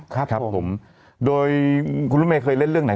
ครับผมโดยคุณลุ้มเมย์เคยเล่นเรื่องไหน